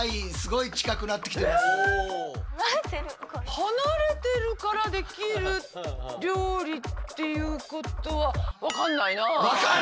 離れてるからできる料理っていうことはわかんない！